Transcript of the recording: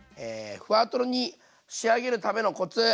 ふわとろに仕上げるためのコツ！